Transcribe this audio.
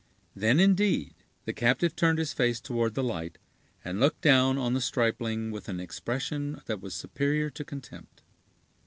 Then, indeed, the captive turned his face toward the light, and looked down on the stripling with an expression that was superior to contempt.